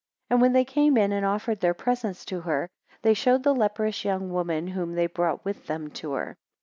18 And when they came in and offered their presents to her, they showed the leprous young woman whom they brought with them to her.